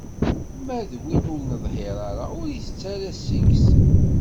Ma d win ur neḍhir ara, ur itett ara seg-s.